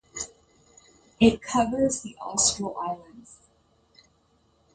It covers the Austral Islands.